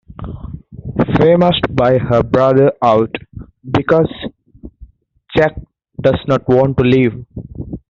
Fay must buy her brother out, because Jack does not want to leave.